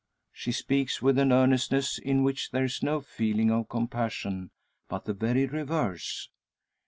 She speaks with an earnestness in which there is no feeling of compassion, but the very reverse.